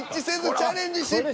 チャレンジ失敗！